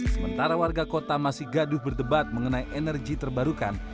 sementara warga kota masih gaduh berdebat mengenai energi terbarukan